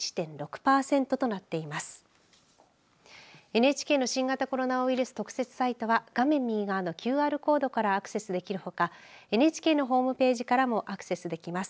ＮＨＫの新型コロナウイルス特設サイトは画面右側のＱＲコードからアクセスできるほかＮＨＫのホームページからもアクセスできます。